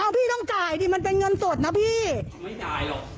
พี่ต้องจ่ายดิมันเป็นเงินสดนะพี่ไม่จ่ายหรอก